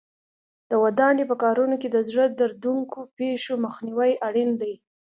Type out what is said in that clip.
د ودانۍ په کارونو کې د زړه دردوونکو پېښو مخنیوی اړین دی.